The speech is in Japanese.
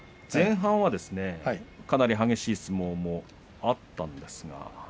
前半はかなり激しい相撲もあったんですが。